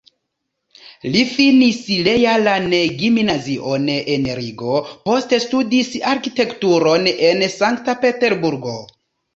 Li finis realan gimnazion en Rigo, poste studis arkitekturon en Sankt-Peterburgo.